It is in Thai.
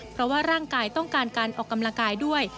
เพราะว่าร่างกายต้องการการออกกำลังกายด้วย